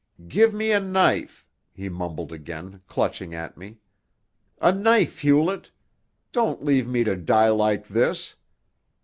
"Give me a knife!" he mumbled again, clutching at me. "A knife, Hewlett! Don't leave me to die like this!